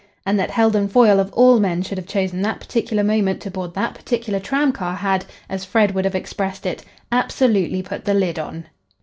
And that Heldon Foyle of all men should have chosen that particular moment to board that particular tramcar had, as Fred would have expressed it, "absolutely put the lid on."